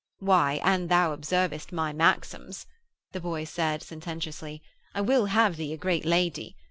'Why, an thou observest my maxims,' the boy said, sententiously, 'I will have thee a great lady.